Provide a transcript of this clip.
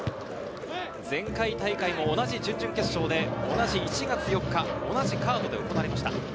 前回大会の同じ準々決勝で、同じ１月４日、同じカードで行われました。